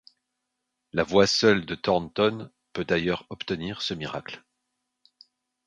La voix seule de Thornton peut d’ailleurs obtenir ce miracle.